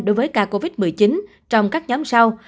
đối với ca covid một mươi chín trong các nhóm sau